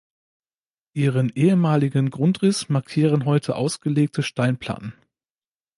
Ihren ehemaligen Grundriss markieren heute ausgelegte Steinplatten.